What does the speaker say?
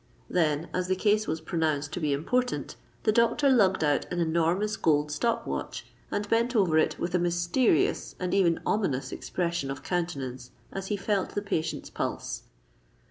Then, as the case was pronounced to be important, the doctor lugged out an enormous gold stop watch, and bent over it with a mysterious and even ominous expression of countenance as he felt the patient's pulse.